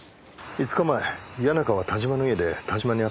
５日前谷中は田島の家で田島に会ってます。